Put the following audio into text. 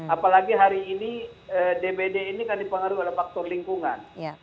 apalagi hari ini dbd ini kan dipengaruhi oleh faktor lingkungan